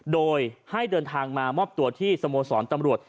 โดยให้เดินทางมามอบตัวที่สโมสรตำรวจ